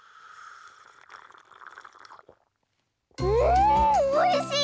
んおいしい！